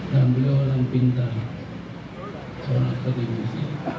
dan beliau orang pintar seorang kondisi